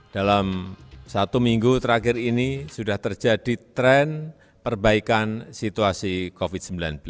dalam satu minggu terakhir ini sudah terjadi tren perbaikan situasi covid sembilan belas